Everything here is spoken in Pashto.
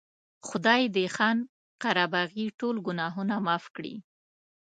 خدای دې خان قره باغي ټول ګناهونه معاف کړي.